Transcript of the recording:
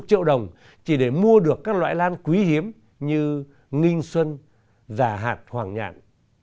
chục triệu đồng chỉ để mua được các loại lan quý hiếm như nginh xuân già hạt hoàng nhạn